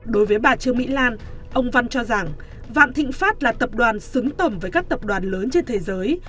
đối với bà trương mỹ lan ông văn cho rằng vạn thịnh pháp là tập đoàn xứng tầm với các tập đoàn lớn trên thế giới